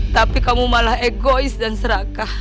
tapi kamu malah egois dan serakah